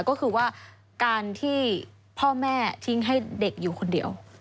ก็คือว่าการที่พ่อแม่ทิ้งให้เด็กอยู่คนเดียว